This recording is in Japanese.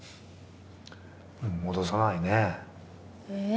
戻さないねぇ。え。